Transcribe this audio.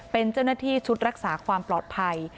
เป็นเจ้าหน้าที่ชุดรักษาความปลอดภัย